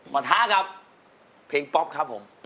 ท้ากับเพลงป๊อปครับผม